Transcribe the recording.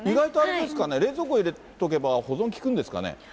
意外とあれですかね、冷蔵庫入れとけば保存利くんですかね。